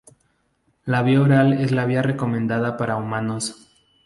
La vía oral es la vía recomendada para humanos.